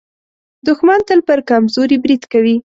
دښمن تل پر کمزوري برید کوي